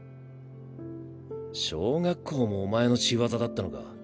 小学校もお前の仕業だったのか。